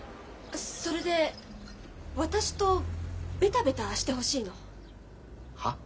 それで私とベタベタしてほしいの。は？